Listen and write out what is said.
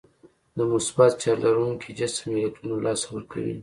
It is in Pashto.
د مثبت چارج لرونکی جسم الکترون له لاسه ورکوي.